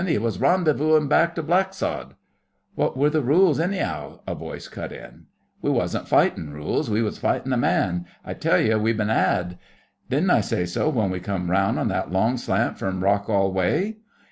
''E was rendezvousin' back to Blacksod.' 'What were the rules any'ow?' a voice cut in. 'We wasn't fightin' rules—we was fightin' a man. I tell you we've been 'ad. Didn't I say so when we come round on that long slant from Rockall way?